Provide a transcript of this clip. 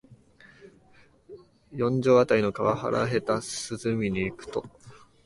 四条あたりの河原へ夕涼みに行くと、